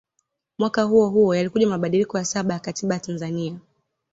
Mwaka huohuo yalikuja mabadiliko ya saba ya Katiba ya Tanzania